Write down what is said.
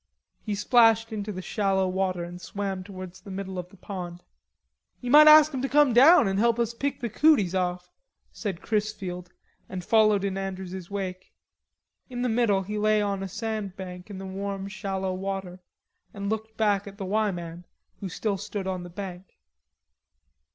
He splashed into the shallow water and swam towards the middle of the pond. "Ye might ask 'em to come down and help us pick the cooties off," said Chrisfield and followed in Andrews's wake. In the middle he lay on a sand bank in the warm shallow water and looked back at the "Y" man, who still stood on the bank.